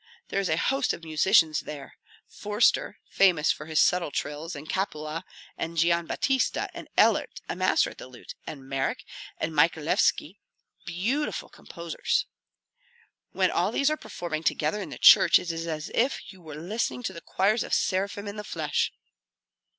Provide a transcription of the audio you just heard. There is a host of musicians there: Forster, famous for his subtle trills, and Kapula, and Gian Battista, and Elert, a master at the lute, and Marek, and Myelchevski, beautiful composers. When all these are performing together in the church, it is as if you were listening to choirs of seraphim in the flesh."